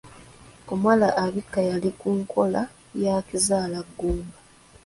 Omuwala abika yali ku nkola ya kizaala ggumba.